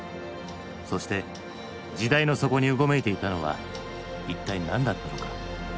そして時代の底にうごめいていたのは一体何だったのか。